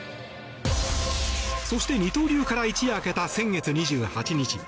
そして、二刀流から一夜明けた先月２８日。